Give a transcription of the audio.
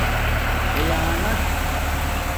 خیانَت